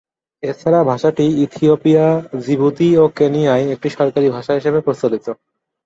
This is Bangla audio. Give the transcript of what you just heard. এছাড়া ভাষাটি ইথিওপিয়া, জিবুতি ও কেনিয়ায় একটি সরকারী ভাষা হিসেবে প্রচলিত।